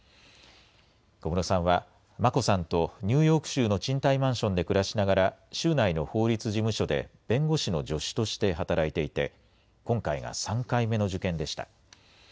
小室さんは眞子さんとニューヨーク州の賃貸マンションで暮らしながら、州内の法律事務所で弁護士の助手として働いていて、今回が３回目の受験でした。